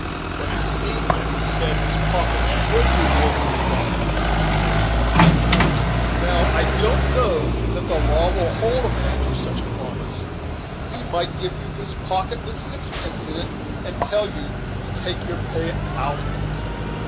"But it seems that he said his pocket should reward you, doctor," observed Hiram. "Now I don't know that the law will hold a man to such a promise; he might give you his pocket with sixpence in't, and tell you to take your pay out on't."